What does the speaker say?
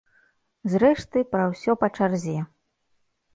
Зрэшты, пра ўсё па чарзе.